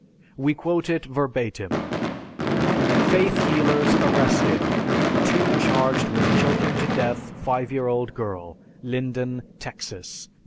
We quote it verbatim: "Faith Healers Arrested; Two Charged with Choking to Death 5 Year Old Girl, Linden, Texas, Dec.